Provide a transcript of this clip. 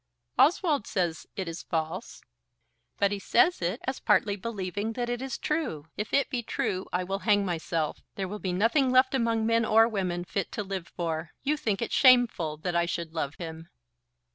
"Oswald says it is false." "But he says it as partly believing that it is true. If it be true I will hang myself. There will be nothing left among men or women fit to live for. You think it shameful that I should love him."